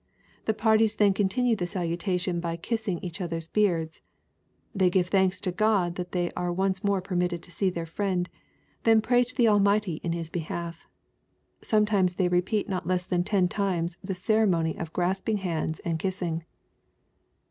The parties then continue the salutation by kissing each other's beards. They give thanks to God that they are once more permitted to see their friend, — they pray to the Almighty in his behalf. Some times they repeat not less than ten times this ceremony of grasping hands and kissing.